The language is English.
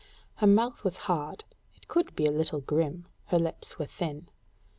Her mouth was hard: it could be a little grim; her lips were thin.